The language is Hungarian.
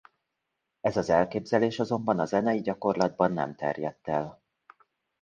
Ez az elképzelés azonban a zenei gyakorlatban nem terjedt el.